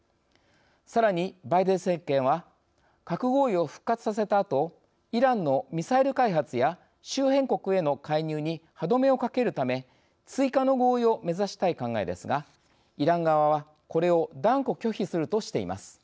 さらにバイデン政権は核合意を復活させたあとイランのミサイル開発や周辺国への介入に歯止めをかけるため追加の合意を目指したい考えですがイラン側はこれを断固拒否するとしています。